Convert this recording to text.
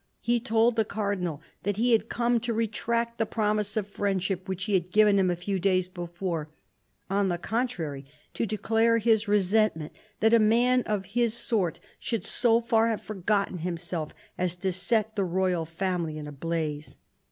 He told the Cardinal " that he had come to retract the promise of friendship which he had given him a few days before ; on the contrary, to declare his resentment that a man of his sort should so far have forgotten himself as to set the royal family in a blaze.